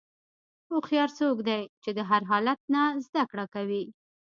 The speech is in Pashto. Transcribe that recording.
هوښیار څوک دی چې د هر حالت نه زدهکړه کوي.